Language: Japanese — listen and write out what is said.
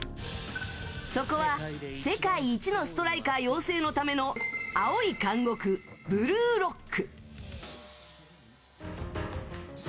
そこは、世界一のストライカー養成のための青い監獄ブルーロック。